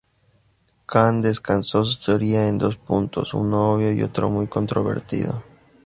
Kahn descansó su teoría en dos puntos, uno obvio y otro muy controvertido.